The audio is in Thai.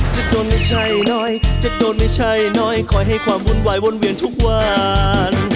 จะโดนไม่ใช่น้อยจะโดนไม่ใช่น้อยคอยให้ความวุ่นวายวนเวียนทุกวัน